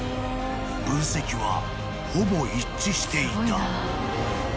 ［分析はほぼ一致していた］